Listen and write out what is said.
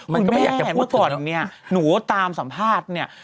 คุณแม่เมื่อก่อนเนี่ยหนูตามสัมภาษณ์เนี่ย